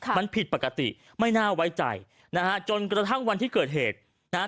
มันผิดปกติไม่น่าไว้ใจนะฮะจนกระทั่งวันที่เกิดเหตุนะฮะ